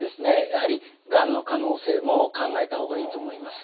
やはりがんの可能性も考えた方がいいと思います。